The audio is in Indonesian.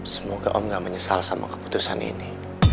semoga om gak menyesal sama keputusan ini